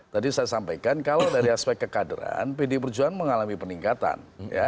tadi saya sampaikan kalau dari aspek kekaderan pd perjuangan mengalami peningkatan